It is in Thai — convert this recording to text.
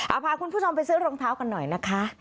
เอาพาคุณผู้ชมไปซื้อรองเท้ากันหน่อยนะคะ